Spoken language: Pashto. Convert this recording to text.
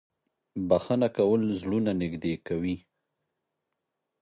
• بښنه کول زړونه نږدې کوي.